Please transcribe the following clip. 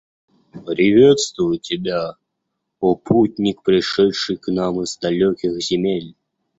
Приветствую тебя, о путник, пришедший к нам из далёких земель.